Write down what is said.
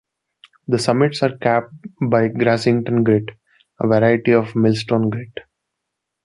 The summits are capped by Grassington Grit, a variety of Millstone Grit.